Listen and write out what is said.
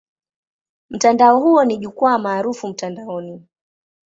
Mtandao huo ni jukwaa maarufu mtandaoni.